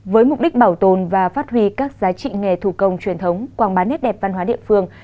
với mục đích bảo tồn và phát huy các giá trị nghề thủ công truyền thống quảng bá nét đẹp văn hóa địa phương